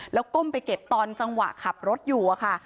แล้วก้มไปเก็บตอนจังหวะขับรถอยู่อะค่ะ